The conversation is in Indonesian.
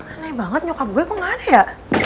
aneh banget nyokap gue kok gak ada ya